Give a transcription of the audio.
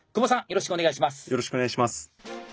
よろしくお願いします。